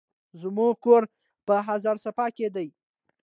زموکور په هزاراسپ کی دي